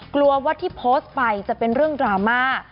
กลัวว่าที่โพสต์ไปจะเป็นเรื่องดราม่า